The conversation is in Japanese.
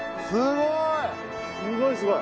すごい！